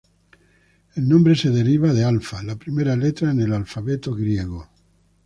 El nombre se deriva de alfa, la primera letra en el alfabeto griego.